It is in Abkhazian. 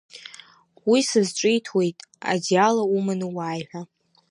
Уи сызҿиҭуеит адиала уманы уааи ҳәа.